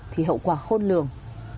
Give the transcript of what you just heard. thì hậu quả khôn lường